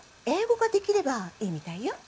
英語ができればいいみたいよ